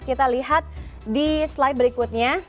kita lihat di slide berikutnya